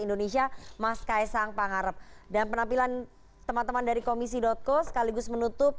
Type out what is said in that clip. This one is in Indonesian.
indonesia mas kaisang pangarep dan penampilan teman teman dari komisi co sekaligus menutup